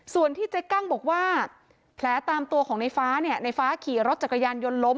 ส่วนที่เจ๊กั้งบอกว่าแผลตามตัวของในฟ้าเนี่ยในฟ้าขี่รถจักรยานยนต์ล้ม